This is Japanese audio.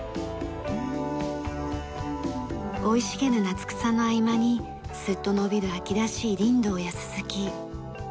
生い茂る夏草の合間にすっと伸びる秋らしいリンドウやススキ。